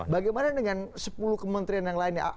bagaimana dengan sepuluh kementerian yang lainnya